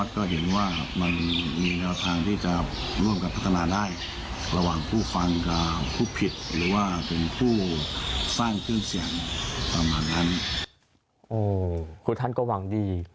คือท่านก็หวังดี